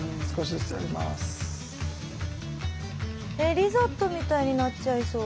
リゾットみたいになっちゃいそう。